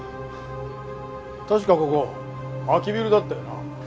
確かここ空きビルだったよな。